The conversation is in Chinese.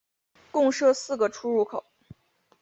共设四个出入口。